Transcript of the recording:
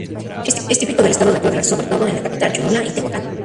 Es típico del estado de Puebla, sobre todo en la capital, Cholula y Tehuacán.